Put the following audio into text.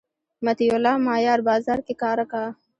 مطیع الله مایار بازار کی کار کا